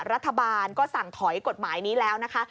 รัฐบาลก็สั่งถอยกฎหมายนี้แล้วนะคะ